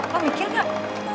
kamu mikir kak